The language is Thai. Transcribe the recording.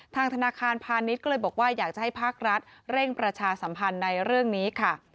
ธนาคารพาณิชย์ก็เลยบอกว่าอยากจะให้ภาครัฐเร่งประชาสัมพันธ์ในเรื่องนี้ค่ะ